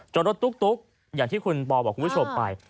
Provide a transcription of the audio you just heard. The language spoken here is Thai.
รถตุ๊กอย่างที่คุณปอบอกคุณผู้ชมไป